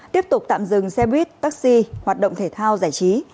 tiếp tục tạm dừng xe buýt taxi hoạt động thể thao giải trí